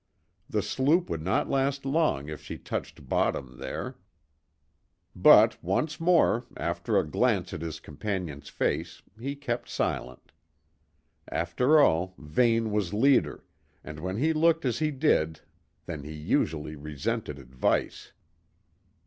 The sloop would not last long if she touched bottom there; but once more, after a glance at his companion's face, he kept silent. After all, Vane was leader, and when he looked as he did then he usually resented advice.